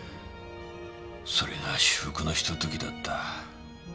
それが至福のひとときだった。